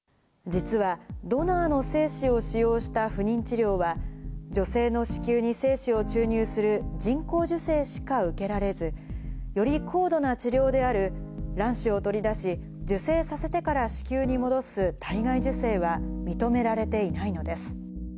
実は、ドナーの精子を使用した不妊治療は、女性の子宮に精子を注入する人工授精しか受けられず、より高度な治療である卵子を取り出し、受精させてから子宮に戻す体外受精は認められていないのです。